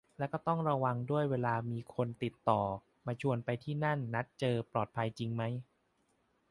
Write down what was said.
และก็ต้องระวังด้วยเวลามีคนติดต่อมาชวนไปที่นั่นที่นี่ นัดเจอ ปลอดภัยจริงไหม